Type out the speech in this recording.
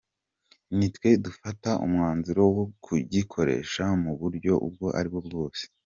Ni twe dufata umwanzuro wo kugikoresha mu buryo ubwo ari bwo bwose.